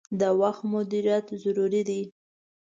د وخت مدیریت ضروری دي.